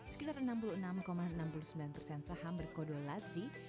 sekitar enam puluh enam enam puluh sembilan persen saham berkodo latzi